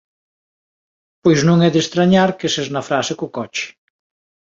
Pois non é de estrañar que se esnafrase co coche